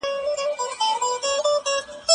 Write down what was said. زه اوس لوستل کوم!!